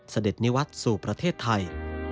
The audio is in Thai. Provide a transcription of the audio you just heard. เสด็จนิวัตรสู่ประเทศไทย